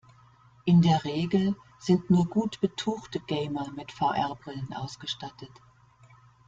In der Regel sind nur gut betuchte Gamer mit VR-Brillen ausgestattet.